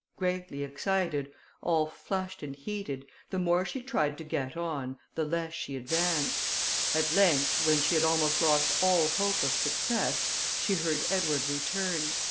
Greatly excited, all flushed and heated, the more she tried to get on, the less she advanced. At length, when she had almost lost all hope of success, she heard Edward return.